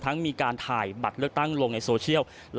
แล้วก็มีการจำหน่ายบัตรเลือกตั้งทั้งหมด๑๓รายเกิดขึ้นในหลายจังหวัดครับ